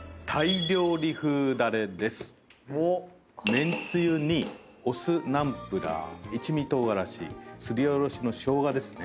めんつゆにお酢ナンプラー一味唐辛子すりおろしのしょうがですね。